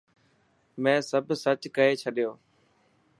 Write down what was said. مين سب سچ ڪئي ڇڏيو.